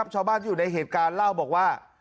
ชาวบ้านที่อยู่ในเหตุการณ์เล่าบอกว่า